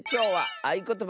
「あいことば」。